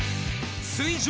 水上